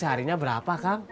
penghasilannya berapa kang